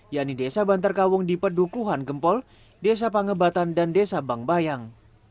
yakni desa bantar kawung di pedukuhan gempol desa pangebatan dan desa bang bayang